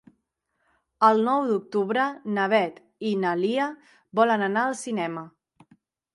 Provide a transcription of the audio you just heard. El nou d'octubre na Beth i na Lia volen anar al cinema.